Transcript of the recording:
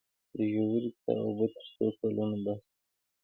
د ژورې څاه اوبه تر څو کلونو بس دي؟